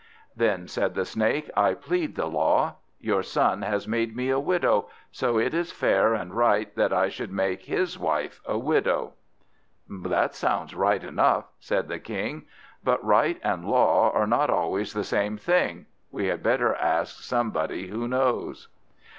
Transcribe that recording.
"Then," said the Snake, "I plead the law. Your son has made me a widow, so it is fair and right that I should make his wife a widow." "That sounds right enough," said the King, "but right and law are not always the same thing. We had better ask somebody who knows."